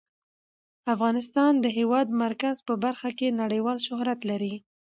افغانستان د د هېواد مرکز په برخه کې نړیوال شهرت لري.